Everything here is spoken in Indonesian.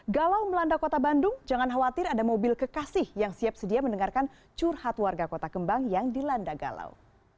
galau melanda kota bandung jangan khawatir ada mobil kekasih yang siap sedia mendengarkan curhat warga kota kembang yang dilanda galau